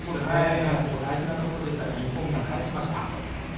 ここは大事なところでしたが日本が返しました。